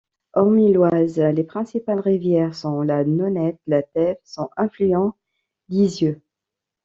Hormis l'Oise, les principales rivières sont la Nonette, la Thève et son affluent l'Ysieux.